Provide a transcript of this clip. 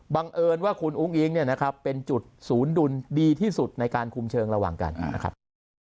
เอิญว่าคุณอุ้งอิ๊งเนี่ยนะครับเป็นจุดศูนย์ดุลดีที่สุดในการคุมเชิงระหว่างกันนะครับ